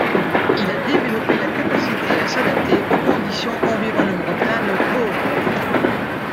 Il a développé la capacité à s'adapter aux conditions environnementales pauvres.